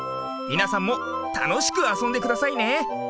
みなさんもたのしくあそんでくださいね。